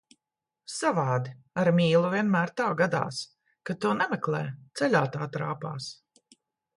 Savādi, ar mīlu vienmēr tā gadās, kad to nemeklē, ceļā tā trāpās.